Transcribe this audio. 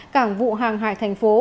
cảng vụ hàng hải thành phố